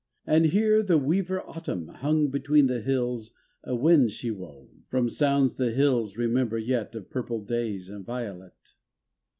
And here the weaver autumn hung Between the hills a wind she wove From sounds the hills remember yet Of purple days and violet.